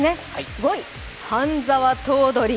５位、半沢頭取。